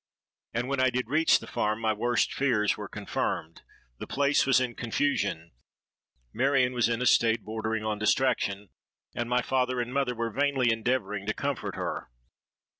And when I did reach the farm, my worst fears were confirmed. The place was in confusion; Marion was in a state bordering on distraction; and my father and mother were vainly endeavouring to comfort her.